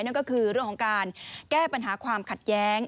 นั่นก็คือเรื่องของการแก้ปัญหาความขัดแย้ง